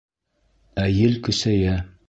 Ә ел көсәйә.